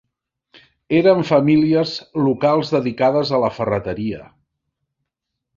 Eren famílies locals dedicades a la ferreria.